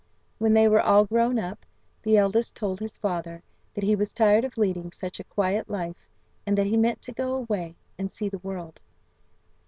When they were all grown up, the eldest told his father that he was tired of leading such a quiet life, and that he meant to go away and see the world.